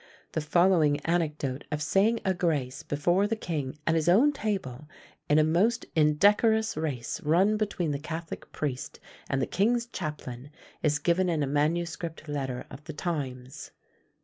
The following anecdote of saying a grace before the king, at his own table, in a most indecorous race run between the catholic priest and the king's chaplain, is given in a manuscript letter of the times.